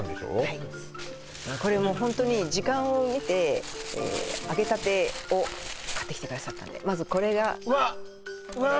はいこれホントに時間をみて揚げたてを買ってきてくださったんでまずこれがうわっうわ